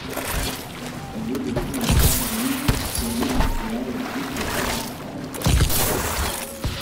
Il est de tous les Targoums celui incluant le plus de paraphrases.